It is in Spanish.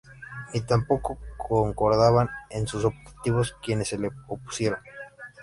Ni tampoco concordaban en sus objetivos quienes se le opusieron.